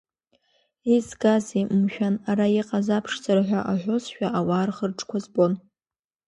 Изгазеи, мшәан, ара иҟаз аԥшӡара ҳәа аҳәозшәа, ауаа рхырҿқәа збон.